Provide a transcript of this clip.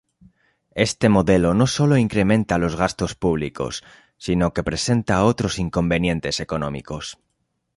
Este modelo no solo incrementa los gastos públicos sino que presenta otros inconvenientes económicos.